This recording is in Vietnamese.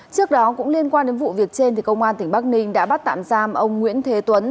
trước đó cũng liên quan đến vụ việc trên công an tỉnh bắc ninh đã bắt tạm giam ông nguyễn thế tuấn